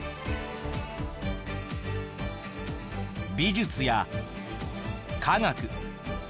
美術や科学。